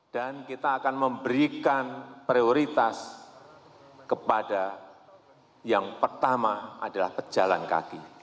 dan kita akan memberikan prioritas kepada yang pertama adalah pejalan kaki